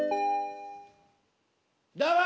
どうも！